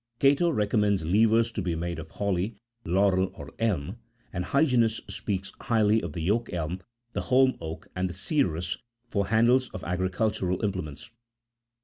Cato52 recommends levers to be made of holly, laurel, or elm ; and Hyginus speaks highly of the yoke elm, the holm oak, and the cerrus, for the handles of agricultural implements.